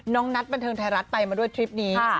นัทบันเทิงไทยรัฐไปมาด้วยทริปนี้